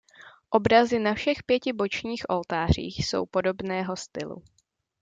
Obrazy na všech pěti bočních oltářích jsou podobného stylu.